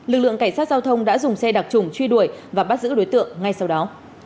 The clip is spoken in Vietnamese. lực lượng cảnh sát giao thông đã dùng xe đặc trùng truy đuổi và bắt giữ đối tượng ngay sau đó